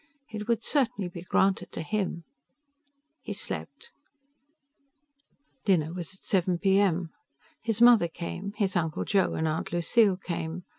It would certainly be granted to him. He slept. Dinner was at seven P.M. His mother came; his Uncle Joe and Aunt Lucille came.